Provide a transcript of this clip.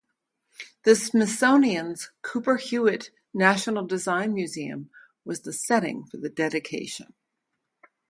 The Smithsonian's Cooper-Hewitt National Design Museum was the setting for the dedication.